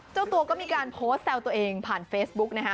เจ้าตัวก็มีการโพสต์แซวตัวเองผ่านเฟซบุ๊กนะฮะ